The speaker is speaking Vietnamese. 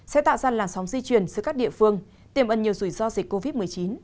sẽ tạo ra làn sóng di chuyển giữa các địa phương tiềm ẩn nhiều rủi ro dịch covid một mươi chín